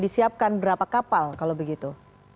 disiapkan berapa kapal kalau begitu